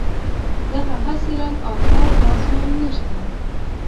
دغه هسې رنګ آفتاب په اسمان نشته.